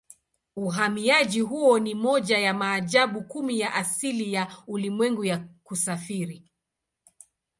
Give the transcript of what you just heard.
Uhamiaji huo ni moja ya maajabu kumi ya asili ya ulimwengu ya kusafiri.